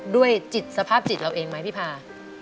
ด้วยจิตสภาพจิตเราเองไหมพี่พา